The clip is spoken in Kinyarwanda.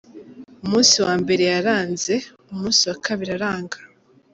Umunsi wa mbere yaranze, umunsi wa kabiri aranga.